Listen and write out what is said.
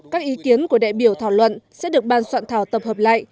các ý kiến của đại biểu thảo luận sẽ được ban soạn thảo tập hợp lại